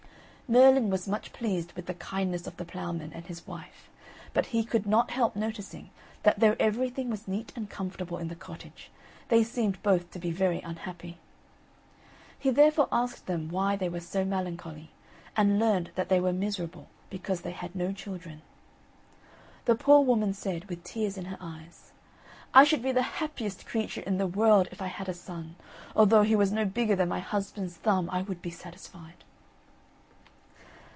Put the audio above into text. Merlin was much pleased with the kindness of the ploughman and his wife; but he could not help noticing that though everything was neat and comfortable in the cottage, they seemed both to be very unhappy. He therefore asked them why they were so melancholy, and learned that they were miserable because they had no children. The poor woman said, with tears in her eyes: "I should be the happiest creature in the world if I had a son; although he was no bigger than my husband's thumb, I would be satisfied."